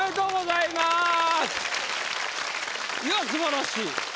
いやすばらしい。